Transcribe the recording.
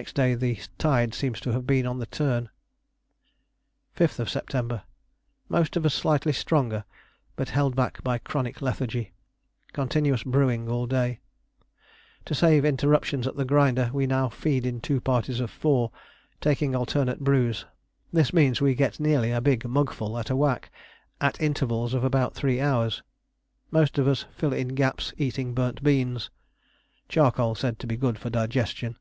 Next day the tide seems to have been on the turn. "5th Sept. Most of us slightly stronger, but held back by chronic lethargy. Continuous brewing all day. To save interruptions at the grinder we now feed in two parties of four, taking alternate brews: this means we get nearly a big mugful at a whack, at intervals of about three hours.... Most of us fill in gaps eating burnt beans. Charcoal said to be good for digestion!...